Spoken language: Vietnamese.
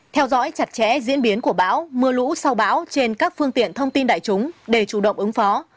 theo dõi chặt chẽ diễn biến của bão mưa lũ sau bão trên các phương tiện thông tin đại chúng để chủ động ứng phó